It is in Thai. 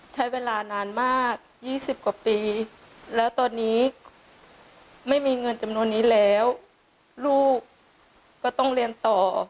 ใช้เวลานานมาก๒๐กว่าปีแล้วตอนนี้ไม่มีเงินจำนวนนี้แล้วลูกก็ต้องเรียนต่อ